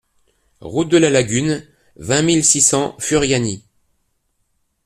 Route de la Lagune, vingt mille six cents Furiani